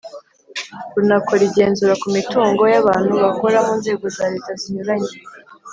runakora igenzura ku mitungo y’abantu bakora mu nzego za leta zinyuranye.